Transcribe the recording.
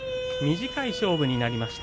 短い勝負になりました。